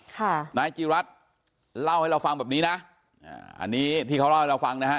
ค่ะนายจีรัฐเล่าให้เราฟังแบบนี้นะอ่าอันนี้ที่เขาเล่าให้เราฟังนะฮะ